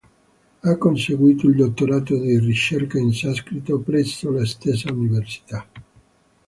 Ha conseguito il dottorato di ricerca in sanscrito presso la stessa Università.